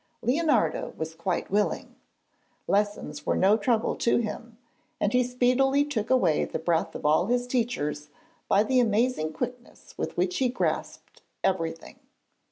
Leonardo was quite willing. Lessons were no trouble to him and he speedily took away the breath of all his teachers by the amazing quickness with which he grasped everything.